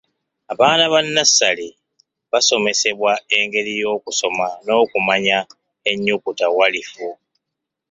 Abaana ba nnassale basomesebwa engeri y'okusoma n'okumanya ennyukuta walifu.